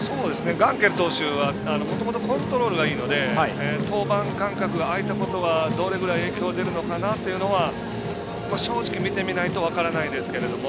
ガンケル投手はもともとコントロールがいいので登板間隔が空いたことがどれぐらい影響が出るかなというのが正直見てみないと分からないですけど。